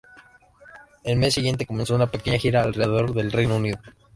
El mes siguiente comenzó una pequeña gira alrededor del Reino Unido.